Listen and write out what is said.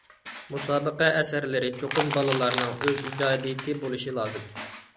مۇسابىقە ئەسەرلىرى چوقۇم بالىلارنىڭ ئۆز ئىجادىيىتى بولۇشى لازىم.